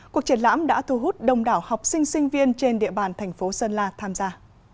cuộc triển lãm đã thu hút đông đảo học sinh sinh viên trên địa bàn thành phố sơn la tham gia